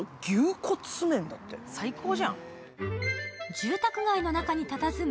住宅街の中にたたずむ